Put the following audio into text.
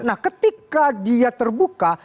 nah ketika dia terbuka